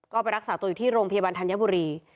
ก็ไปรักษาตัวอยู่ที่โรงพยาบาลธัญบุรี